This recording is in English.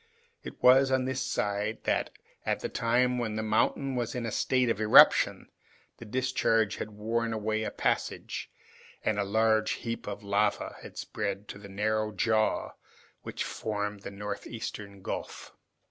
It was on this side that, at the time when the mountain was in a state of eruption, the discharge had worn away a passage, and a large heap of lava had spread to the narrow jaw which formed the northeastern gulf.